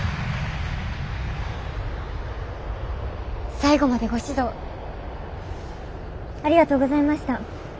最後までご指導ありがとうございました。